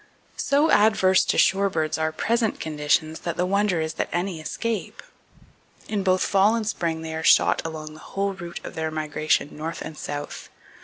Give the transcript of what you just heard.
So adverse to shorebirds are present conditions that the wonder is that any escape. In both fall and spring they are shot along the whole route of their migration north and south.